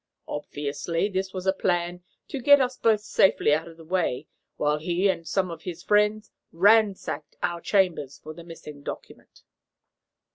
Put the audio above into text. Obviously this was a plan to get us both safely out of the way while he and some of his friends ransacked our chambers for the missing document."